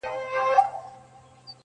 زما له انګړه جنازې در پاڅي!